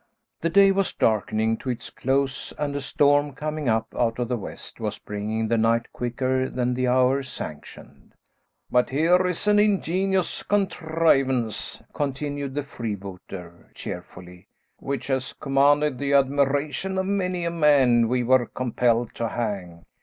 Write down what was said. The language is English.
The day was darkening to its close, and a storm, coming up out of the west, was bringing the night quicker than the hour sanctioned. "But here is an ingenious contrivance," continued the freebooter, cheerfully, "which has commanded the admiration of many a man we were compelled to hang.